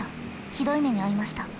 ひどい目に遭いました。